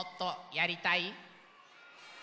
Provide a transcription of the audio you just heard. やりたい！